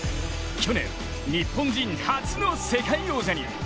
去年、日本人初の世界王者に。